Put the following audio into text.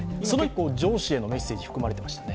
今、上司へのメッセージ含まれていましたね。